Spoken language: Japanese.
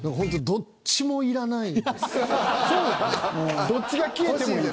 どっちもいらない。